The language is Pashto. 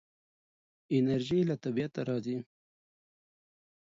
انرژي له طبیعته راځي.